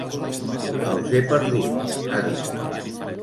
Els he perdut, ha dit.